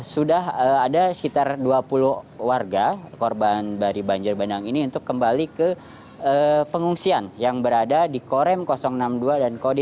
sudah ada sekitar dua puluh warga korban dari banjir bandang ini untuk kembali ke pengungsian yang berada di korem enam puluh dua dan kodim